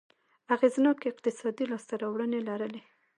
اغېزناکې اقتصادي لاسته راوړنې لرلې.